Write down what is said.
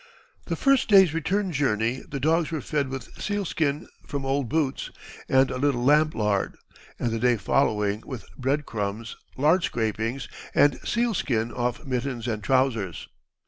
The first day's return journey the dogs were fed with seal skin, from old boots, and a little lamp lard, and the day following with bread crumbs, lard scrapings, and seal skin off mittens and trousers.